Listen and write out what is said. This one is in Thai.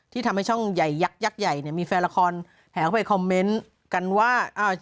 ทำให้ช่องใหญ่ยักยักษ์ใหญ่เนี่ยมีแฟนละครแห่เข้าไปคอมเมนต์กันว่า